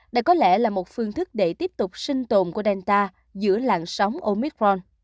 đây có lẽ là một phương thức để tiếp tục sinh tồn của delta giữa làng sóng omicron